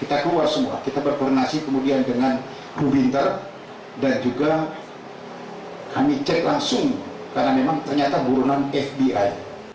kita keluar semua kita berkoordinasi kemudian dengan bu winter dan juga kami cek langsung karena memang ternyata buronan fbi